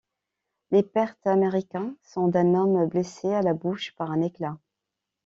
Les pertes américains sont d'un homme blessé à la bouche par un éclat.